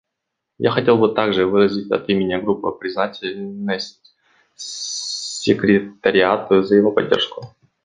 Я хотел бы также выразить от имени Группы признательность Секретариату за его поддержку.